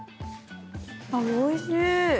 おいしい！